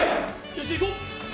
よし行こう！